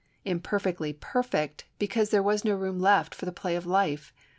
Imperfectly perfect, because there was no room left for the play of life.